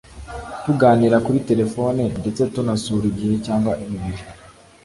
tuganira kuri terefone ndetse tunasura igihe cyangwa bibiri